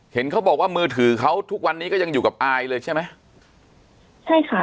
เห็นเขาบอกว่ามือถือเขาทุกวันนี้ก็ยังอยู่กับอายเลยใช่ไหมใช่ค่ะ